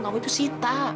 kamu itu sita